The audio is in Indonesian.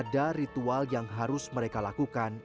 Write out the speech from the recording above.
ada ritual yang harus mereka lakukan